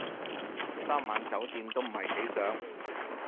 三晚酒店都唔係幾想